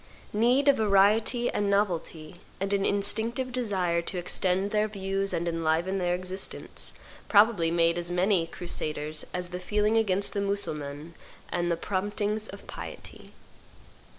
Need of variety and novelty, and an instinctive desire to extend their views and enliven their existence, probably made as many crusaders as the feeling against the Mussulmans and the promptings of piety.